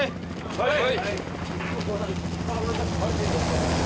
はい！